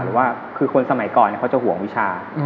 หรือว่าคือคนสมัยก่อนเขาจะห่วงวิชา